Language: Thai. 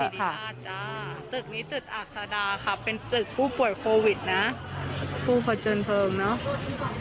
ตึกนี้ตึกอัดสดาค่ะเป็นตึกผู้ป่วยโควิดนะ